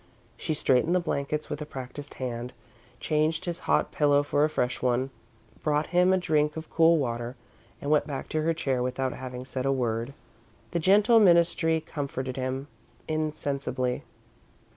She straightened the blankets with a practised hand, changed his hot pillow for a fresh one, brought him a drink of cool water, and went back to her chair without having said a word. The gentle ministry comforted him insensibly.